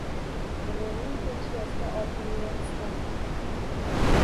• Birovning pechkasida orqangni isitolmaysan.